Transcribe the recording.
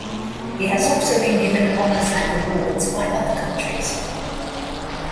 He has also been given honours and awards by other countries.